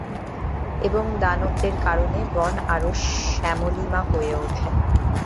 এবং দানবদের কারণে, বন আরো শ্যামলিমা হয়ে ওঠে।